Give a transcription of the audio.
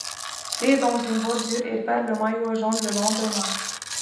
Pris dans une bordure, il perd le maillot jaune le lendemain.